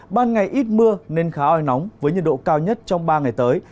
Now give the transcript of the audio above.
ban ngày ít mưa nên khá oi nóng với nhiệt độ cao nhất trong ba ngày tới